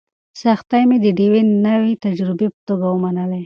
سختۍ مې د یوې نوې تجربې په توګه ومنلې.